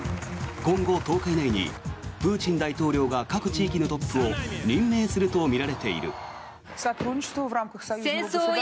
今後、１０日以内にプーチン大統領が各地域のトップを任命するとみられている。